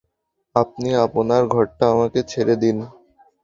আপনি আপনার ঘরটা আমাকে ছেড়ে দিন।